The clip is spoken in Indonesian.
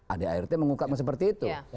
adrt mengungkapnya seperti itu